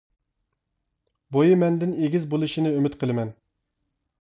بويى مەندىن ئېگىز بولۇشىنى ئۈمىد قىلىمەن.